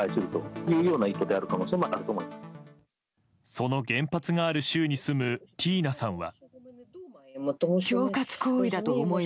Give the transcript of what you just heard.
その原発がある州に住むティーナさんは。